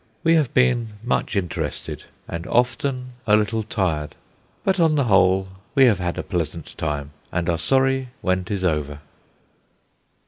We have been much interested, and often a little tired. But on the whole we have had a pleasant time, and are sorry when 'tis over."